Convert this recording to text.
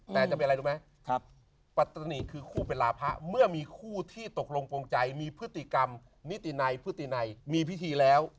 แต่จะเป็นอะไรรู้ไหมปัตตานีคือคู่เป็นลาพะเมื่อมีคู่ที่ตกลงโปรงใจมีพฤติกรรมนิตินัยพฤตินัยมีพิธีแล้ว